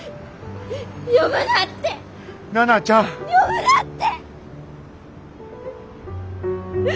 呼ぶなって！